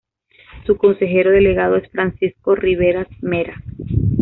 Su consejero delegado es Francisco Riberas Mera.